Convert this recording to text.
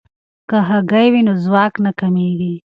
که هګۍ وي نو ځواک نه کمیږي.